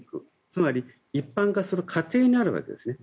つまり一般化する過程にあるわけですね。